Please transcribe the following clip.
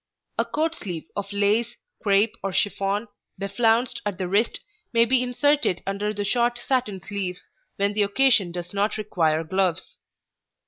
A coat sleeve of lace, crêpe, or chiffon, beflounced at the wrist, may be inserted under the short satin sleeves when the occasion does not require gloves.